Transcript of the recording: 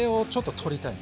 取りたい。